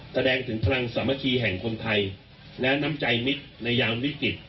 แสดงถึงพลังสามัคคีแห่งคนไทยและน้ำใจมิตรในยามวิกฤต